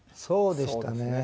そうでしたね。